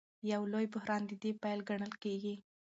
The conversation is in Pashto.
یو لوی بحران د دې پیل ګڼل کېږي.